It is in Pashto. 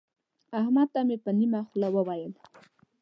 احمد ته مې په نيمه خوله وويل.